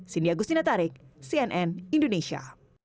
cindy agustina tarik cnn indonesia